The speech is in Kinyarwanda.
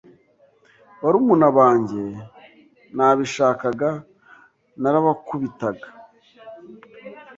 Barumuna banjye nabishakaga narabakubitaga